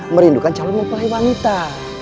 merindukan calon mempelai wanita